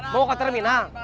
mau ke terminal